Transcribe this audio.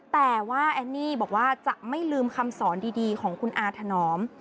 แต่ว่าแอนนี่บอกว่าจะไม่ลืมคำสอนดีของคุณอาถนอม